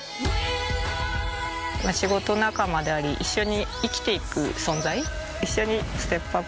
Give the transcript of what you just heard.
仕事仲間であり一緒に生きて行く存在。